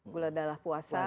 gula darah puasa